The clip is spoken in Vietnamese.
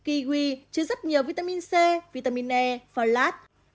kiwi chứa rất nhiều vitamin c vitamin e folate